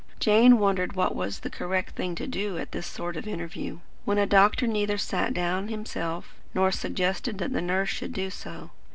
Jane wondered what was the correct thing to do at this sort of interview, when a doctor neither sat down himself nor suggested that the nurse should do so.